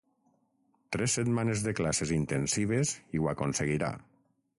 Tres setmanes de classes intensives i ho aconseguirà.